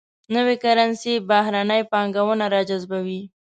نوي کرنسي بهرنۍ پانګونه راجذبوي.